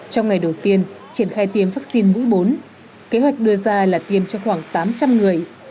trong ngày đầu tiên triển khai tiêm vaccine mũi bốn kế hoạch đưa ra là tiêm cho khoảng tám trăm linh người